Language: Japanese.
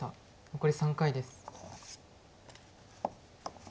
残り３回です。